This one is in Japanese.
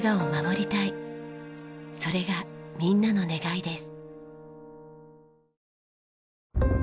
それがみんなの願いです。